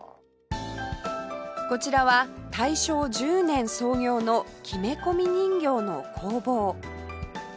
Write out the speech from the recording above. こちらは大正１０年創業の木目込人形の工房